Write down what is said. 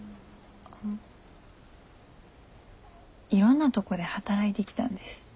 いろんなとこで働いてきたんです。